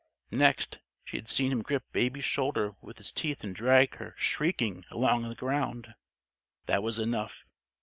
Next, she had seen him grip Baby's shoulder with his teeth and drag her, shrieking, along the ground. That was enough.